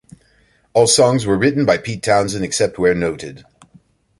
All songs were written by Pete Townshend except where noted.